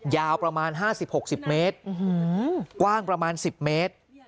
ยาวประมาณ๕๐๖๐เมตรกว้างประมาณ๑๐เมตร